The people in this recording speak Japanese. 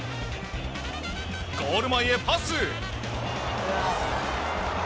ゴール前へパス！